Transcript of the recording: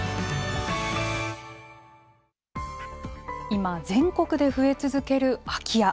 今、全国で増え続ける空き家。